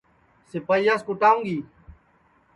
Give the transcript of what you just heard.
سِپائییاس کُوٹاؤں گی